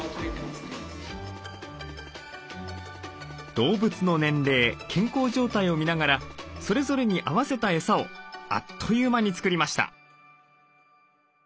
動物の年齢健康状態を見ながらそれぞれに合わせたエサをあっという間に作りました。